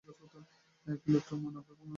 এক ইলেক্ট্রো-মানব আর এক বালু-মানব আসার কথা।